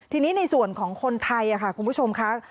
ทีนี้ในส่วนของคนไทยค่ะคุณผู้ชมค่ะ